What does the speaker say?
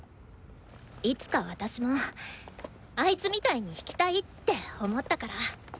いつか私もあいつみたいに弾きたいって思ったから。